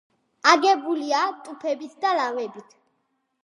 აგებულია ტუფებით და ლავებით.